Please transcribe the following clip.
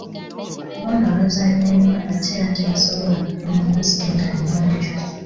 Kubanga bazannya nnyo ate era tebasobola kukuuma masiki nga nnyonjo.